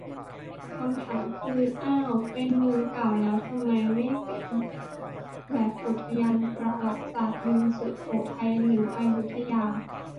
คำถามคือ อ้าวเป็นเมืองเก่าแล้วทำไมไม่เป็นแบบอุทยานประวัติศาสตร์ เมืองสุโขทัย หรืออยุธยา